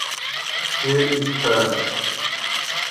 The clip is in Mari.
Кӧ йӱкта